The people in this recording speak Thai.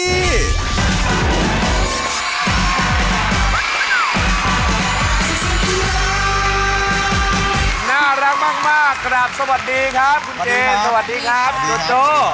น่ารักมากครับสวัสดีครับคุณเจสวัสดีครับคุณโจ